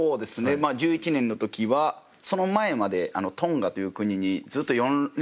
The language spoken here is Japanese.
１１年の時はその前までトンガという国にずっと４連戦で勝ってたんですよね。